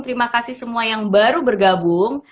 terima kasih semua yang baru bergabung